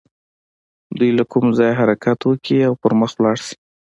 دوی له کوم ځايه حرکت وکړي او پر مخ لاړ شي.